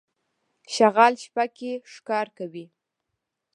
شغال شپه کې ښکار کوي.